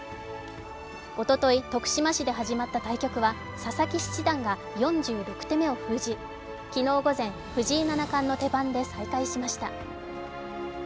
おととい、徳島市で始まった対局は佐々木七段が４６手目を封じ昨日午前藤井七冠の手番で再開しました。